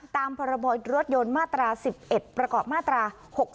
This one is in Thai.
ตามพรบรถยนต์มาตรา๑๑ประกอบมาตรา๖๒